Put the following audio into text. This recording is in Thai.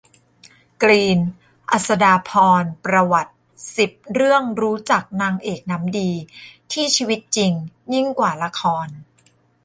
กรีน อัษฎาพร ประวัติ สิบ เรื่องรู้จักนางเอกน้ำดี ที่ชีวิตจริงยิ่งกว่าละคร